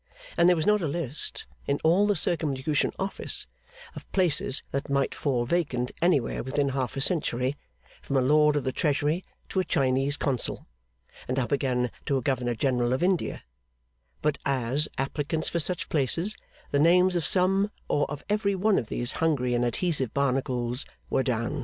And there was not a list, in all the Circumlocution Office, of places that might fall vacant anywhere within half a century, from a lord of the Treasury to a Chinese consul, and up again to a governor general of India, but as applicants for such places, the names of some or of every one of these hungry and adhesive Barnacles were down.